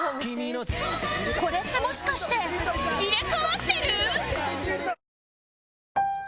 これってもしかして入れ替わってる！？